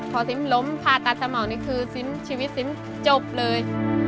พอซิมล้มผ่าตัดสมองนี่คือซิมชีวิตซิมจบเลย